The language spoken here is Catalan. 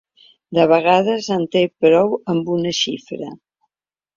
De vegades en té prou amb una xifra.